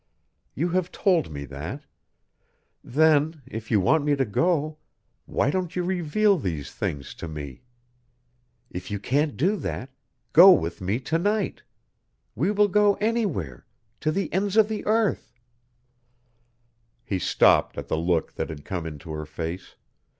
You have told me that. Then if you want me to go why don't you reveal these things to me? If you can't do that, go with me to night. We will go anywhere to the ends of the earth " He stopped at the look that had come into her face.